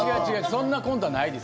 そんなコントはないです。